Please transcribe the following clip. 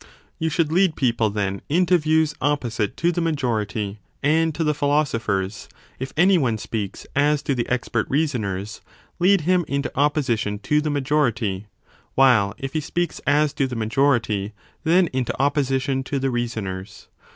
You should lead people, then, into views oppo site to the majority and to the philosophers ; if any one speaks as do the expert reasoners, lead him into opposition to the majority, while if he speaks as do the majority, then into opposition to the reasoners.